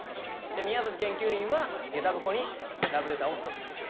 宮舘研究員はげた箱にラブレターをトスする。